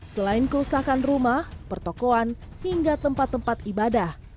selain kerusakan rumah pertokoan hingga tempat tempat ibadah